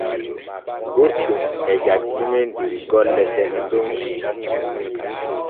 Goɗɗun e jaccimen der golle deme Ɗon.